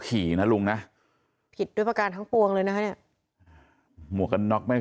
ขี่นะลุงนะผิดด้วยประการทั้งปวงเลยนะคะเนี่ยหมวกกันน็อกไม่